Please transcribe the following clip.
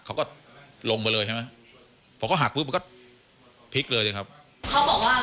เขาก็ลงไปเลยใช่ไหมพอเขาหักปุ๊บมันก็พลิกเลยสิครับเขาบอกว่า